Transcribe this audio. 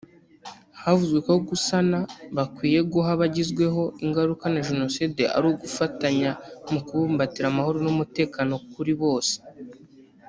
Havuzwe ko gusana bakwiye guha abagizweho ingaruka na jenoside ari ugufatanya mu kubumbatira amahoro n’umutekano kuri bose